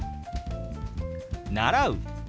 「習う」。